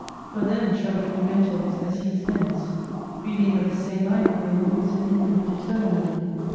For then shall we be MENTES as He is MENS. We being of the same mind with Him who is an infinite eternal mind.